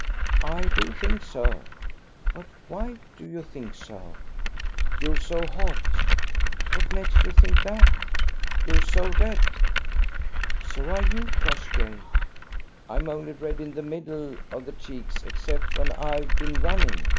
"I do think so." "But why do you think so?" "You're so hot." "What makes you think that?" "You're so red." "So are you, Crossjay." "I'm only red in the middle of the cheeks, except when I've been running.